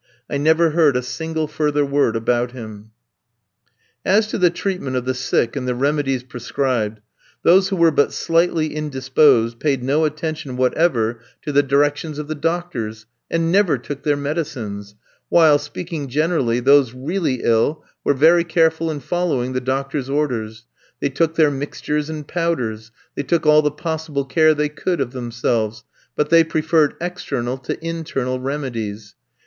I never heard a single further word about him. As to the treatment of the sick and the remedies prescribed, those who were but slightly indisposed paid no attention whatever to the directions of the doctors, and never took their medicines; while, speaking generally, those really ill were very careful in following the doctor's orders; they took their mixtures and powders; they took all the possible care they could of themselves; but they preferred external to internal remedies.